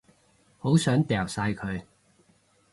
好想掉晒佢